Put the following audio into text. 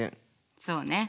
そうね。